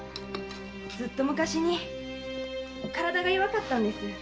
ずっと昔に体が弱かったんです。